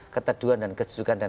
keteduan dan kesunyukan dan